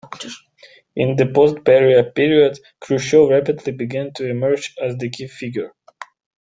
In the post-Beria period, Khrushchev rapidly began to emerge as the key figure.